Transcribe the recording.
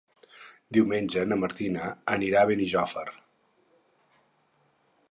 Diumenge na Martina anirà a Benijòfar.